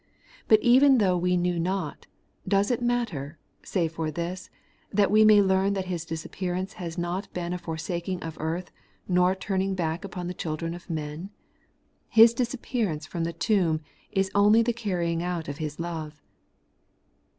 But even though we knew not, does it matter, save for this, that we may learn that His disappearance has not been a forsaking of earth, nor a turning His back upon the children of men ? His disappearance from the tomb is only the carrying out of His love.